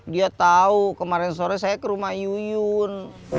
dia tahu kemarin sore saya ke rumah yuyun